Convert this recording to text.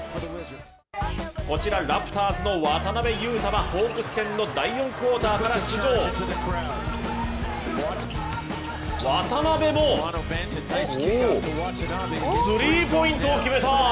こちらラプターズの渡邊雄太はホークス戦の第４クオーターから出場渡邊もスリーポイントを決めた！